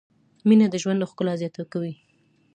مینه د ژوند ښکلا زیاته کوي.